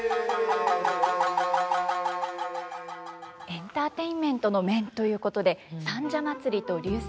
エンターテインメントの面ということで「三社祭」と「流星」